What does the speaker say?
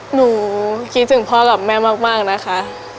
หนูคิดถึงพ่อกับแม่มากนะคะ